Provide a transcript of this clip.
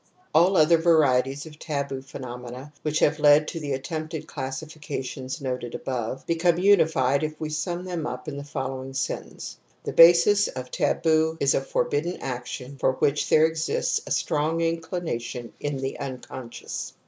y All other varieties of taboo phenomena which have led to the attempted classifications noted above become unified if we sum them up in the following sentence ( The basis of taboo is a for bidden action for which there exists a strong inclination in the xmconscious.